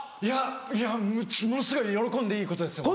いやものすごい喜んでいいことですよね？